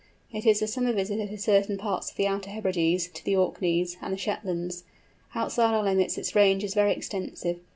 It is a summer visitor to certain parts of the Outer Hebrides, to the Orkneys, and the Shetlands. Outside our limits its range is very extensive.